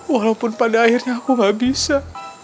walaupun pada akhirnya aku gak bisa